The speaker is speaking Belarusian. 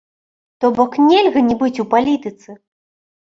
То бок нельга не быць у палітыцы!